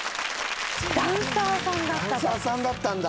ダンサーさんだったと。